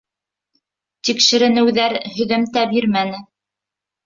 Тикшеренеүҙәр һөҙөмтә бирмәне.